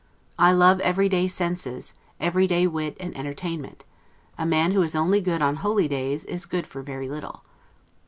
I love every day senses, every day wit and entertainment; a man who is only good on holydays is good for very little.